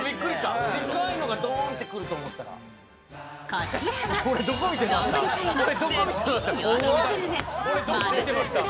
こちらがどんぶり茶屋の絶品夜明けのグルメ丸鮮丼。